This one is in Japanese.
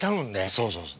そうそうそう。